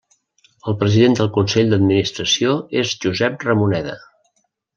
El president del Consell d'administració és Josep Ramoneda.